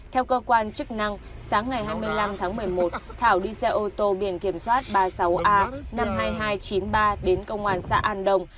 theo cơ quan chức năng sáng ngày hai mươi năm tháng một mươi một thảo đi xe ô tô biển kiểm soát ba mươi sáu a năm mươi hai nghìn hai trăm chín mươi ba đến công an xã an đồng